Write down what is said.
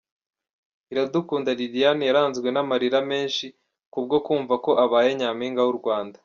Iradukunda Liliane yaranzwe n’ amarira menshi kubwo kumva ko abaye nyaminga w’ u Rwanda .